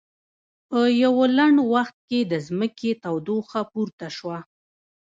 په یوه لنډ وخت کې د ځمکې تودوخه پورته شوه.